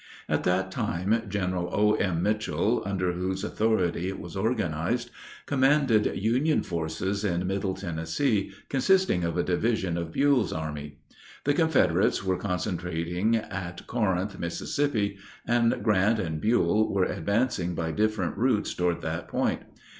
At that time General O.M. Mitchel, under whose authority it was organized, commanded Union forces in middle Tennessee, consisting of a division of Buell's army. The Confederates were concentrating at Corinth, Mississippi, and Grant and Buell were advancing by different routes toward that point.